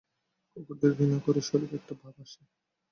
কুকুরদের ঘৃণা করে শরীর একটা ভাব আসে।